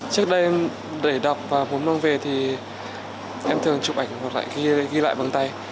trước đây để đọc và muốn mang về thì em thường chụp ảnh hoặc ghi lại bằng tay